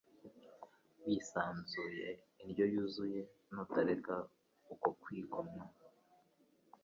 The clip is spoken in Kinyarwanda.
wisanzuye, indyo yuzuye. Nutareka uko kwigomwa,